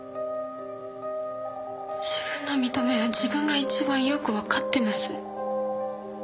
自分の見た目は自分が一番よく分かってます。